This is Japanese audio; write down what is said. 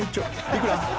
いくら？